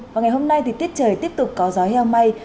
và ngày hôm nay thì tiết trời tiếp tục có gió heo may